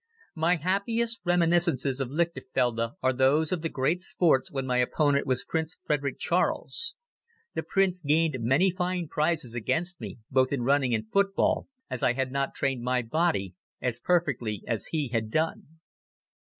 My happiest reminiscences of Lichterfelde are those of the great sports when my opponent was Prince Frederick Charles. The Prince gained many first prizes against me both in running and football, as I had not trained my body as perfectly as he had done.